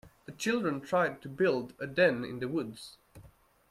The children tried to build a den in the woods